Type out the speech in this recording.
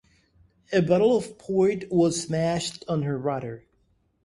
A bottle of port was smashed on her rudder.